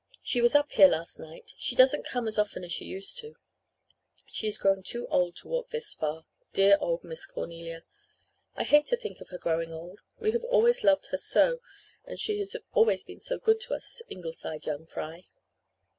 "She was up here last night. She doesn't come as often as she used to. She is growing too old to walk this far dear old 'Miss Cornelia.' I hate to think of her growing old we have always loved her so and she has always been so good to us Ingleside young fry.